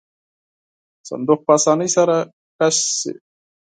صندوق په آسانۍ سره کش شي.